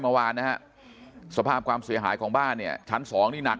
เมื่อวานนะฮะสภาพความเสียหายของบ้านเนี่ยชั้นสองนี่หนัก